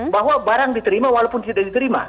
bahwa barang diterima walaupun tidak diterima